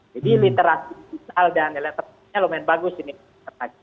jadi literasi digital dan elektroniknya lumayan bagus ini